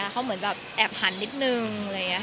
เขาเหมือนแอบหันนิดนึง